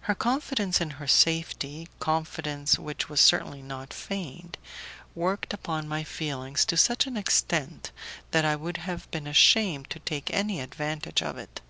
Her confidence in her safety, confidence which was certainly not feigned, worked upon my feelings to such an extent that I would have been ashamed to take any advantage of it.